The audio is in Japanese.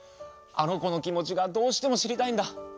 「あのこのきもちがどうしてもしりたいんだ。